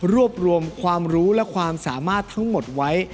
รวบรวมความรู้และความสามารถทั้งหมดไว้